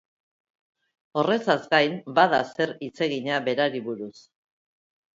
Horrezaz gain bada zer hitzegina berari buruz.